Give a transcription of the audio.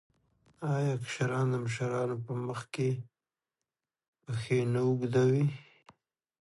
آیا کشران د مشرانو په مخ کې پښې نه اوږدوي؟